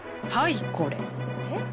はいこれ。